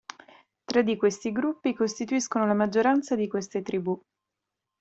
Tre di questi gruppi costituiscono la maggioranza di queste tribù.